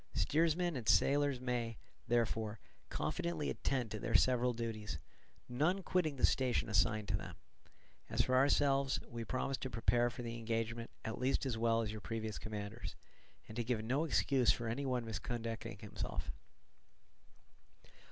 Steersmen and sailors may, therefore, confidently attend to their several duties, none quitting the station assigned to them: as for ourselves, we promise to prepare for the engagement at least as well as your previous commanders, and to give no excuse for any one misconducting himself.